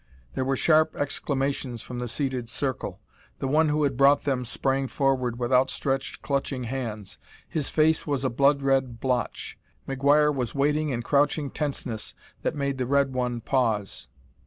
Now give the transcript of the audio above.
There were sharp exclamations from the seated circle. The one who had brought them sprang forward with outstretched, clutching hands; his face was a blood red blotch. McGuire was waiting in crouching tenseness that made the red one pause.